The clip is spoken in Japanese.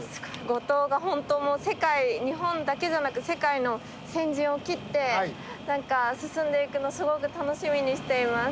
五島が本当もう日本だけじゃなく世界の先陣を切って何か進んでいくのすごく楽しみにしています。